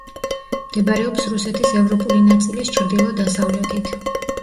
მდებარეობს რუსეთის ევროპული ნაწილის ჩრდილო-დასავლეთით.